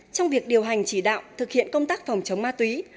trong việc điều hành chỉ đạo thực hiện công tác phòng chống ma túy